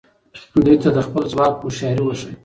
دوی ته د خپل ځواک هوښیاري وښایه.